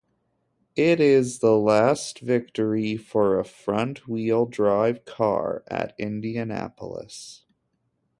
It's the last victory for a front-wheel drive car at Indianapolis.